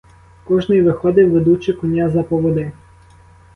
Кожний виходив, ведучи коня за поводи.